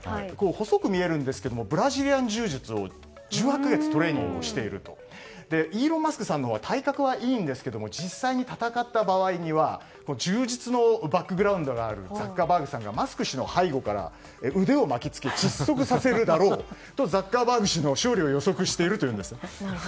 細く見えるんですがブラジリアン柔術を１８か月トレーニングしていると。イーロン・マスクさんのほうが体格はいいんですけど実際に戦った場合には柔術のバッググラウンドがあるザッカーバーグさんがマスク氏の背後から腕を巻き付けて窒息させるだろうとザッカーバーグ氏の勝利を予測しているというんです。